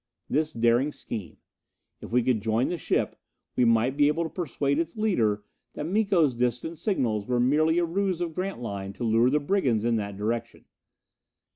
This daring scheme! If we could join the ship, we might be able to persuade its leader that Miko's distant signals were merely a ruse of Grantline to lure the brigands in that direction.